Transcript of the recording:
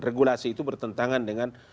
regulasi itu bertentangan dengan